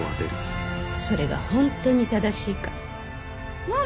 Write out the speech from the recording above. それが本当に正しいか。